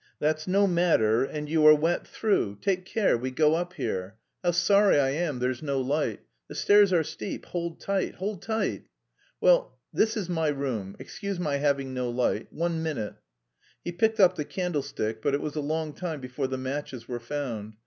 that's no matter, and... you are wet through. Take care, we go up here how sorry I am there's no light the stairs are steep, hold tight, hold tight! Well, this is my room. Excuse my having no light... One minute!" He picked up the candlestick but it was a long time before the matches were found.